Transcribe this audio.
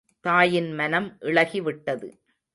தாயின் மனம் இளகிவிட்டது.